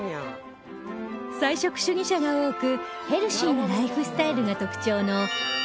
菜食主義者が多くヘルシーなライフスタイルが特徴の